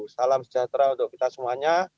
salam sejahtera untuk kita semuanya